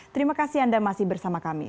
terima kasih anda masih bersama kami